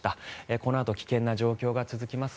このあと危険な状況が続きます。